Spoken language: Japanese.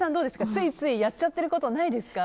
ついついやっちゃっていることないですか？